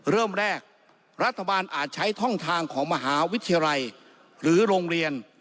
เริ่มแรกรัฐบาลอาจใช้ท่องทางของมหาวิทยาลัยหรือโรงเรียน